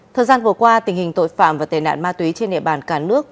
thời gian vừa qua tình hình tội phạm và tề nạn ma túy trên địa bàn cả nước